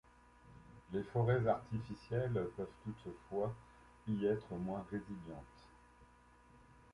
Les forêts artificielles peuvent toutefois y être moins résilientes.